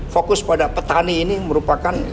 fokus pada petani ini merupakan